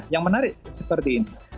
yang menarik seperti ini